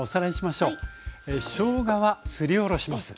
しょうがはすりおろします。